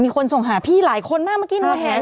มีคนส่งหาพี่หลายคนมากเมื่อกี้หนูเห็น